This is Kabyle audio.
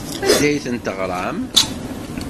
Anda ay ten-teɣram?